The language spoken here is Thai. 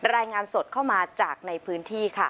รายงานสดเข้ามาจากในพื้นที่ค่ะ